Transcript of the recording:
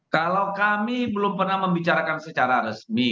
kalau kami belum pernah membicarakan secara resmi